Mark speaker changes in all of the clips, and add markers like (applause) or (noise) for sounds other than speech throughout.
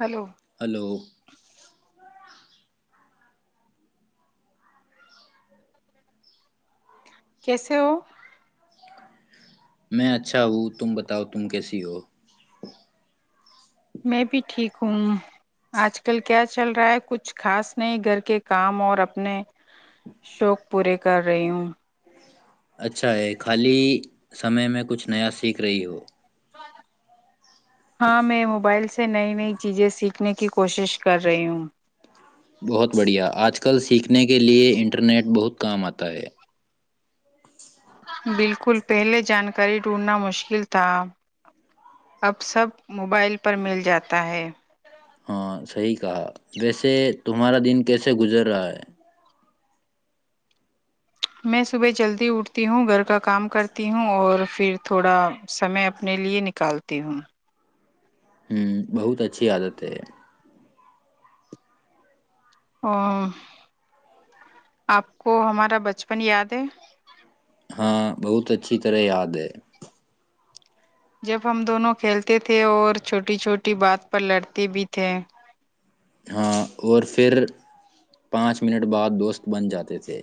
Speaker 1: hello (unintelligible)
Speaker 2: hello
Speaker 1: کیسے ہو (unintelligible)
Speaker 2: میں اچھا ہوں تم بتاؤ تم کیسی ہو
Speaker 1: میں بھی ٹھیک ہوں آج کل کیا چل رہا ہے کچھ خاص نہیں گھر کے کام اور اپنے شوق پورے کر رہی ہوں
Speaker 2: اچھا ہے خالی سمے میں کچھ نیا سیکھ رہی ہو
Speaker 1: ہاں میں موبائل سے نئی نئی چیزیں سیکھنے کی کوشش کر رہی ہوں
Speaker 2: بہت بڑھیا آج کل سیکھنے کے لیئے انٹرنیٹ بہت کام آتا ہے
Speaker 1: بالکل پہلے جانکاری ڈھونڈنا مشکل تھا اب سب موبائل پر مل جاتا ہے
Speaker 2: ہاں صحیح کہا ویسے تمہارا دن کیسے گزر رہا ہے
Speaker 1: میں صبح جلدی اٹھتی ہوں گھر کا کام کرتی ہوں اور پھر تھوڑا سمے اپنے لیئے نکالتی ہوں
Speaker 2: ہوں بہت اچھی عادت ہے
Speaker 1: ا آپ کو ہمارا بچپن یاد ہے
Speaker 2: ہاں بہت اچھی طرح یاد ہے
Speaker 1: جب ہم دونوں کھیلتے تھے اور چھوٹی چھوٹی بات پر لڑتے بھی تھے
Speaker 2: ہاں اور پھر پانچ منٹ بعد دوست بن جاتے تھے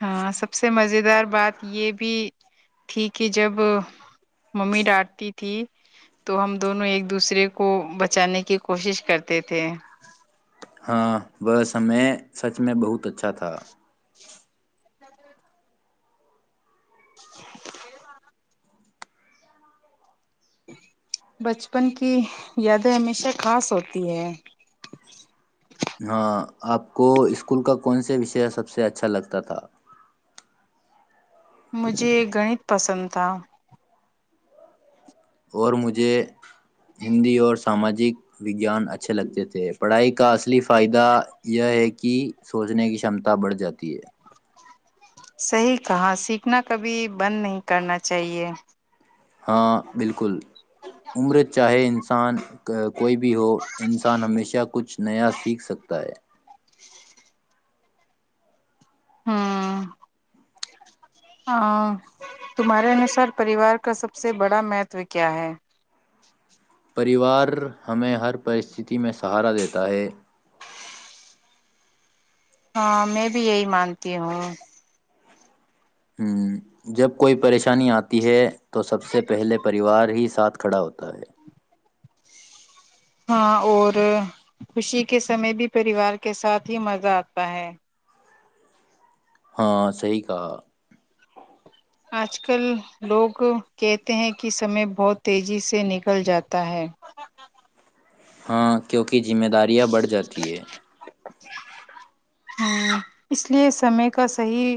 Speaker 1: ہاں سب سے مزیدار بات یہ بھی تھی کہ جب ممی ڈانٹتی تھی تو ہم دونوں ایک دوسرے کو بچانے کی کوشش کرتے تھے
Speaker 2: ہاں وہ سمے سچ میں بہت اچھا تھا
Speaker 1: (inaudible) بچپن کی یادیں ہمیشہ خاص ہوتی ہیں
Speaker 2: ہاں آپ کو اسکول کا کون سے وشے سب سے اچھا لگتا تھا
Speaker 1: مجھے ایک گنت پسند تھا
Speaker 2: اور مجھے ہندی اور ساماجی وگان اچھے لگتے تھے پڑھائی کا اصلی فائدہ یہ ہے کہ سوچنے کی شمتا بڑھ جاتی ہے
Speaker 1: صحیح کہا سیکھنا کبھی بند نہیں کرنا چاہیے
Speaker 2: ہاں بالکل (unintelligible) عمر چاہے انسان (unintelligible) انسان کوئی بھی ہو انسان ہمیشہ کچھ نیا سیکھ سکتا ہے
Speaker 1: ہاں (unintelligible) تمہارے انوسار پریوار کا سب سے بڑا مہتو کیا ہے
Speaker 2: پریوار ہمیں ہر پرستی میں سہارا دیتا ہے
Speaker 1: ہاں میں بھی یہی مانتی ہوں
Speaker 2: جب کوئی پریشانی آتی ہے تو سب سے پہلے پریوار ہی ساتھ کھڑا ہوتا ہے
Speaker 1: ہاں اور خوشی کے سمے بھی پریوار کے ساتھ ہی مزہ آتا ہے
Speaker 2: ہاں صحی کہا (unintelligible)
Speaker 1: آج کل لوگ کہتے ہیں کہ سمے بہت تیزی سے نکل جاتا ہے
Speaker 2: ہاں کیونکہ ذمہ داریاں بڑھ جاتی ہے
Speaker 1: ہ اس لیے سمے کا صحیح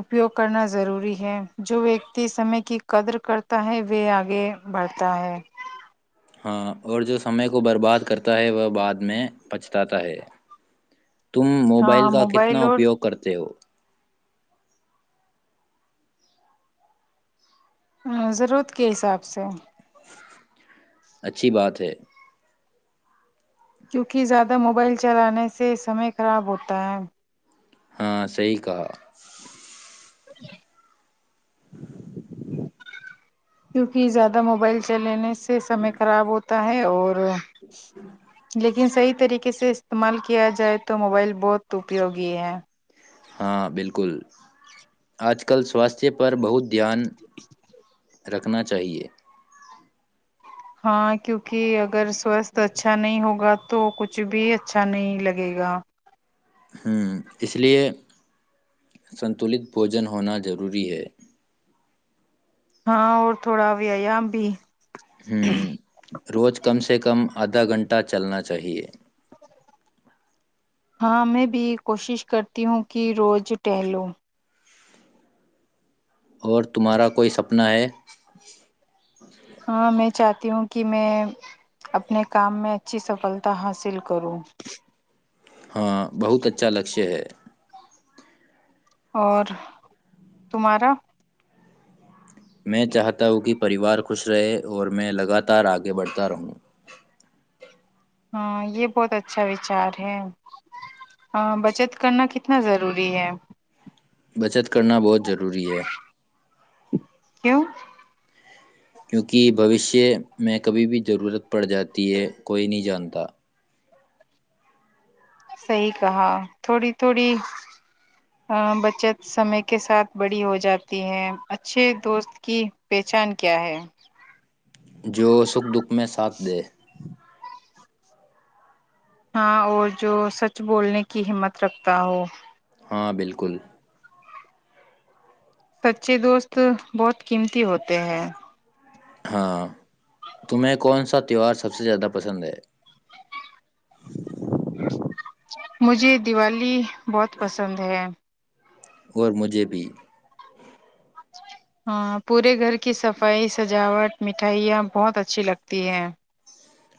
Speaker 1: اپیوگ کرنا ضروری ہے جو ویکتی سمے کی قدر کرتا ہے وہے آگے بڑھتا ہے
Speaker 2: ہاں اور جو سمے کو برباد کرتا ہے وہ بعد میں پچتاتا ہے تم موبائل
Speaker 1: ہاں
Speaker 2: کا کتنا
Speaker 1: اور
Speaker 2: اپیوگ کرتے ہو
Speaker 1: ہاں ضرورت کے حساب سے
Speaker 2: اچھی بات ہے
Speaker 1: کیونکہ زیادہ موبائل چلانے سے سمے خراب ہوتا ہے
Speaker 2: ہاں صحیح کہا
Speaker 1: (inaudible) کیونکہ زیادہ موبائل چلنے سے سے سمے خراب ہوتا (unintelligible) تا ہے اور (unintelligible) لیکن سی طریقے سے استعمال کیا جائے تو موبائل بہت اپیوگی ہے
Speaker 2: ہاں بالکل
Speaker 1: (inaudible)
Speaker 2: اج کل سواستھیہ (unintelligible) پر بہت دھیان (unintelligible) رکھنا چاہیے
Speaker 1: ہاں کیونکہ اگر سوستھ اچھا نہیں ہوگا تو کچھ بھی اچھا نہیں لگے گا
Speaker 2: ہوں اس لیے سنتولت بوجن ہونا ضروری ہے
Speaker 1: ہاں اور تھوڑا بھی ب
Speaker 2: ہوں روز کم سے کم آدھا گھنٹہ چلنا چاہیے
Speaker 1: ہاں میں بھی کوشش کرتی ہوں کہ روز ٹہلو
Speaker 2: اور تمہارا کوئی سپنا ہے
Speaker 1: ہاں میں چاہتی ہوں کہ میں اپنے کام میں اچھی سفلتا حاصل کروں
Speaker 2: ہاں بہت اچھا لکشیہ ہے
Speaker 1: اور تمہارا
Speaker 2: میں چاہتا ہوں کہ پریوار خوش رہے اور میں لگاتار آگے بڑھتا رہوں
Speaker 1: ہاں یہ بہت اچھا وچار ہے ہ بچت کرنا کتنا ضروری ہے
Speaker 2: بچت کرنا بہت ضروری ہے
Speaker 1: کیوں
Speaker 2: کیونکہ بھوشیہ میں کبھی بھی ضرورت پڑ جاتی ہے کوئی نہیں جانتا
Speaker 1: صحیح کہا تھوڑی تھوڑی ا بچت سمے کے ساتھ بڑی ہو جاتی ہے اچھے دوست کی پہچان کیا ہے
Speaker 2: جو سکھ دکھ میں ساتھ دے
Speaker 1: ہاں اور جو سچ بولنے کی ہمت رکھتا ہو
Speaker 2: ہاں بالکل
Speaker 1: سچے دوست بہت قیمتی ہوتے ہیں
Speaker 2: ہاں تمہیں کون سا تہوار سب سے زیادہ پسند ہے
Speaker 1: مجھے دیوالی بہت پسند ہے
Speaker 2: اور مجھے بھی
Speaker 1: ہاں پورے گھر کی صفائی سجاوٹ مٹھائیاں بہت اچھی لگتی ہیں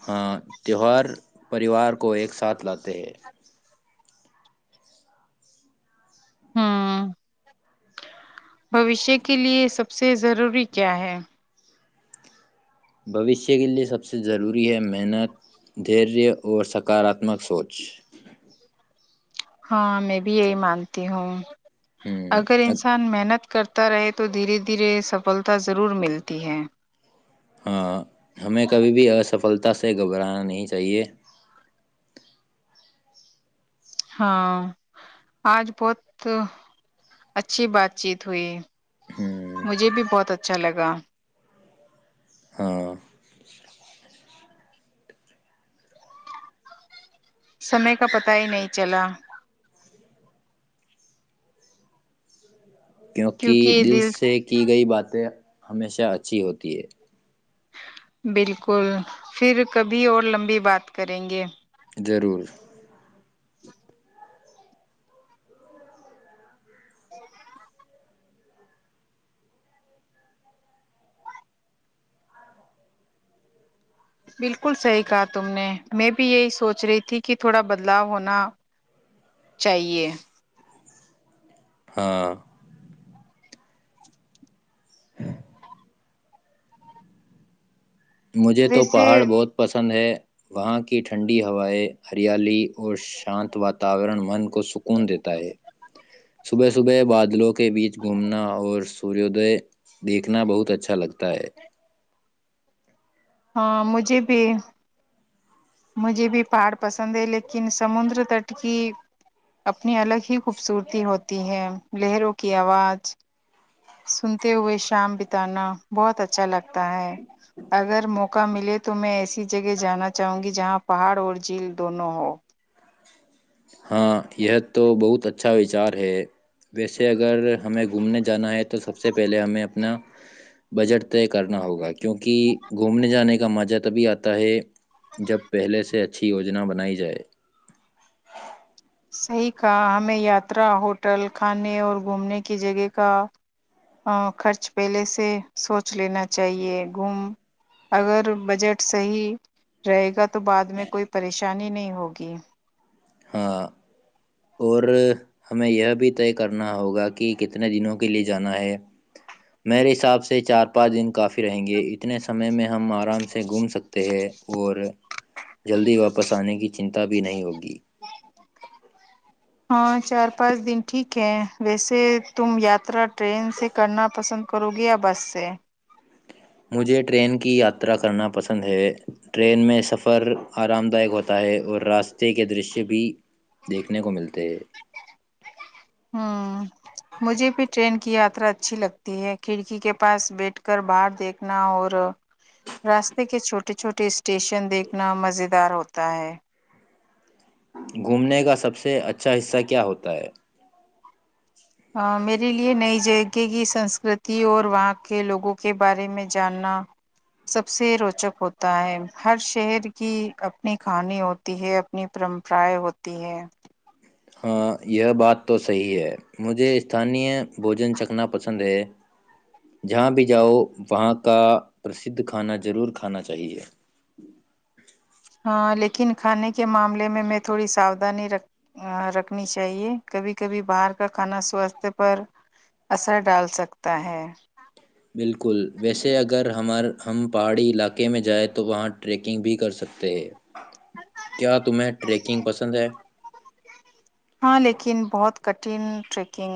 Speaker 2: ہاں تہوار پریوار کو ایک ساتھ لاتے ہیں
Speaker 1: ہاں بوشیہ کے لیے سب سے ضروری کیا ہے
Speaker 2: بوشیہ کے لئے سب سے ضروری ہے محنت دھیریہ اور سکاراتمک سوچ
Speaker 1: ہاں میں بھی یہی مانتی ہوں
Speaker 2: ہ
Speaker 1: اگر انسان محنت کرتا رہے تو دھیرے دھیرے سفلتا ضرور ملتی ہے
Speaker 2: ہاں ہمیں کبھی بھی اف سفلتا سے گھبرانا نہیں چاہیے
Speaker 1: ہاں آج بہت اچھی بات چیت ہوئی
Speaker 2: ہ
Speaker 1: مجھے بھی بہت اچھا لگا
Speaker 2: ہاں
Speaker 1: سمے کا پتہ ہی نہیں چلا
Speaker 2: کیونکہ دل سے کی گئی باتیں ہمیشہ اچھی ہوتی ہے
Speaker 1: بالکل پھر کبھی اور لمبی بات کریں گے
Speaker 2: ضرور
Speaker 1: (inaudible) بالکل صحیح کہا تم نے میں بھی یہی سوچ رہی تھی کہ تھوڑا بدلاؤ ہونا چاہیے
Speaker 2: ہاں مجھے تو
Speaker 1: ویسے
Speaker 2: پہاڑ بہت پسند ہے وہاں کی ٹھنڈی ہوائیں ہریالی اور شانت وااتاورن من کو سکون دیتا ہے صبح صبح بعد دلوں کے بیچ گھومنا اور سوردے دیکھنا بہت اچھا لگتا ہے ت (unintelligible)
Speaker 1: ہاں مجھے بھی مجھے بھی پہاڑ پسند ہے لیکن سمندر تٹ کی اپنی الگ ہی خوبصورتی ہوتی ہے لہروں کی آواز سنتے ہوئے شام بتانا بہت اچھا لگتا ہے اگر موقع ملے تو میں ایسی جگہ جانا چاہوں گی جہاں پہاڑ اور جھیل دونوں ہو
Speaker 2: ہاں یہ تو بہت اچھا وچار ہے ویسے اگر ہمیں گھومنے جانا ہے تو سب سے پہلے ہمیں اپنا بجٹ طے کرنا ہوگا کیونکہ گھومنے جانے کا مجہ تبھی آتا ہے جب پہلے سے اچھی یوجنا بنائی جائے
Speaker 1: صحیح کہ ہمیں یاترا ہوٹل کھانے اور گھومنے کی جگہ کا خرچ پہلے سے سوچ لینا چاہیے گوم اگر بجٹ صحیح رہے گا تو بع میں کوئی پریشانی پریشانی نہیں ہوگی (unintelligible)
Speaker 2: ہاں اور ہمیں یہ بھی طے کرنا ہوگا کہ کتنے دنوں کے لیے جانا ہے میرے حساب سے چار پانچ دن کافی رہیں گے اتنے سمے میں ہم آرام سے گھوم سکتے ہیں اور جلدی واپس آنے کی چنتا بھی نہیں ہوگی
Speaker 1: ہاں چار پانچ دن ٹھیک ہیں ویسے تم یاترا ٹرین سے کرنا پسند کرو گے یا بس سے
Speaker 2: مجھے ٹرین کی یاترا کرنا پسند ہے ٹرین میں سفر آرام دائیک ہوتا ہے اور راستے کے درشیہ بھی دیکھنے کو ملتے ہیں
Speaker 1: ہ مجھے بھی ٹرین کی یاترا اچھی لگتی ہے کھڑکی کے پاس بیٹھ کر باہر دیکھنا اور راستے کے چھوٹے چھوٹے اسٹیشن دیکھنا مز دار ہوتا ہے
Speaker 2: گھومنے کا سب سے اچھا حصہ کیا ہوتا ہے
Speaker 1: میرے لیے نئی جگہ کی سنسکرتی اور وہاں کے لوگوں کے بارے میں جاننا سب سے روچک ہوتا ہے ہر شہر کی اپنی کہانی ہوتی ہے اپنی پرمپرائیں ہوتی ہے
Speaker 2: ہاں یہ بات تو صحیح ہے مجھے اسھانییہ بوجن چکھنا پسند ہے جہاں بھی جاؤ وہاں کا پرسھ کھانا ضرور کھانا چاہیے
Speaker 1: ہاں لیکن کھانے کے معاملے میں میں تھوڑی ساؤدھانی رکھ رکھنی چاہیے کبھی کبھی باہر کا کھانا سواستھ پر اثر ڈال سکتا ہے
Speaker 2: بالکل ویسے اگر ہمار ہم پہاڑی علاقے میں جائیں تو وہاں ٹریکنگ بھی کر سکتے ہیں کیا تمیں ٹریکنگ پسند ہے
Speaker 1: ہاں لیکن بہت کٹھن ٹریکنگ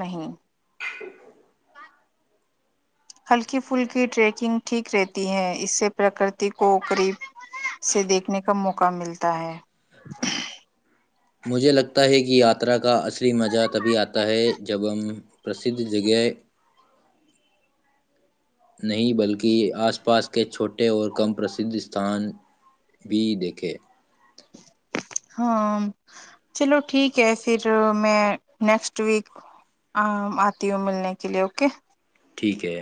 Speaker 1: نہیں
Speaker 2: (inaudible)
Speaker 1: ہلکی پھلکی ٹریکنگ ٹھیک رہتی ہے اسے پرکرتی کو قریب سے دیکھنے کا موقع ملتا ہے
Speaker 2: مجھے لگتا ہے کہ یاترا کا اصلی مزہ تبھی آتا ہے جب ہم پرسدھ جگہ نہیں بلکہ آس پاس کے چھوٹے اور کم پرسھ استان بھی دیکھے
Speaker 1: ہاں چلو ٹھیک ہے پھر میں نیکسٹ ویک آتی ہوں ملنے کے لیے اوکے
Speaker 2: ٹھیک ہے